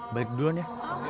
balik duluan ya